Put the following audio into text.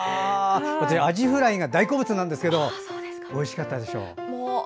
私、アジフライが大好物なんですけどおいしかったでしょう？